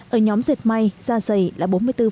ở nhóm dệt may da dày là bốn mươi bốn